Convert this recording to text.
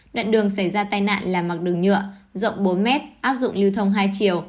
đoạn đường xảy ra tai nạn là mặc đường nhựa rộng bốn mét áp dụng lưu thông hai chiều